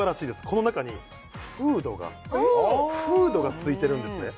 この中にフードがフードが付いてるんですね